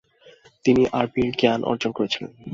তিনি আরবির জ্ঞান অর্জন করেছিলেন।